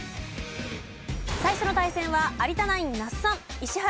最初の対戦は有田ナイン那須さん石原